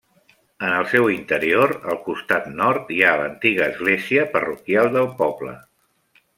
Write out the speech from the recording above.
En el seu interior, al costat nord, hi ha l'antiga església parroquial del poble.